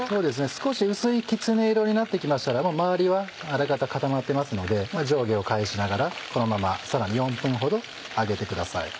少し薄いきつね色になって来ましたら周りはあらかた固まってますので上下を返しながらこのままさらに４分ほど揚げてください。